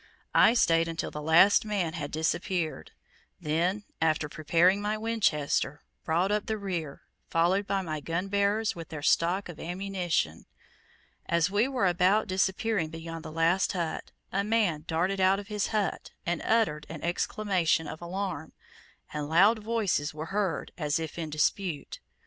I stayed until the last man had disappeared; then, after preparing my Winchester, brought up the rear, followed by my gunbearers with their stock of ammunition. As we were about disappearing beyond the last hut, a man darted out of his hut, and uttered an exclamation of alarm, and loud voices were heard as if in dispute.